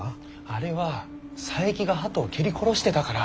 あれは佐伯がハトを蹴り殺してたから。